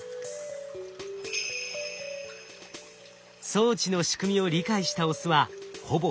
装置の仕組みを理解したオスはほぼ１００％